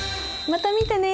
また見てね。